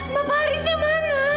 mbak pak harisnya mana